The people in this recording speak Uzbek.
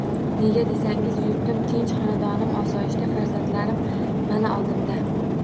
Nega desangiz yurtim tinch, xonadonim osoyishta, farzandlarim mana oldimda.